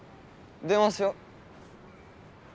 電話しよ？